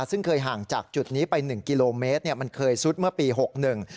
ซึ่งเคยห่างจากจุดนี้ไปหนึ่งกิโลเมตรเนี่ยมันเคยซุดเมื่อปีหกหนึ่ง